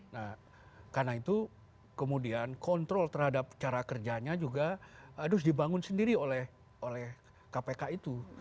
nah karena itu kemudian kontrol terhadap cara kerjanya juga harus dibangun sendiri oleh kpk itu